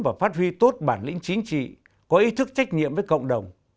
và phát huy tốt bản lĩnh chính trị có ý thức trách nhiệm với cộng đồng